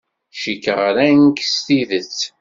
Cikkeɣ ran-k s tidet.